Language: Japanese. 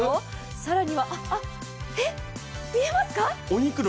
更には、えっ、見えますか？